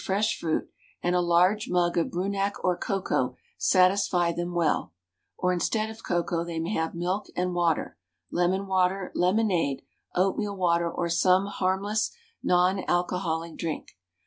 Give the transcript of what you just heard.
fresh fruit, and a large mug of Brunak or cocoa satisfy them well; or instead of cocoa they may have milk and water, lemon water, lemonade, oatmeal water, or some harmless non alcoholic drink.